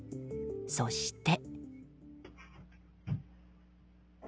そして。